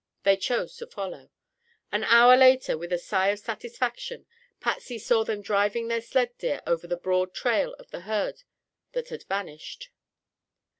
They chose to follow. An hour later, with a sigh of satisfaction, Patsy saw them driving their sled deer over the broad trail of the herd that had vanished.